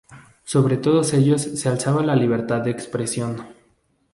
Sobre todos ellos se alzaba la libertad de expresión.